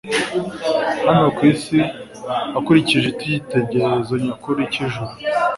hano ku isi akurikije icyitegererezo nyakuri cy'ijuru.